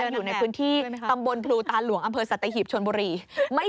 อยู่ในพื้นที่ตำบลพลูตาหลวงอำเภอสัตหีบชนบุรีไม่